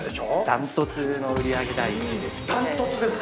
◆断トツの売り上げ第１位です。